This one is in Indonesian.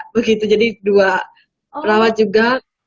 begitu jadi dua perawat juga